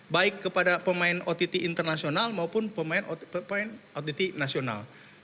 baik kepada pemain ott internasional maupun pemain ott nasional